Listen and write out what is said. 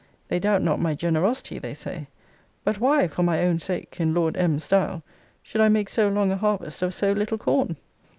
They doubt not my generosity, they say: But why for my own sake, in Lord M.'s style, should I make so long a harvest of so little corn?